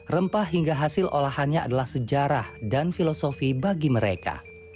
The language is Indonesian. rempah hingga hasil olahannya adalah sejarah dan filosofi bagi mereka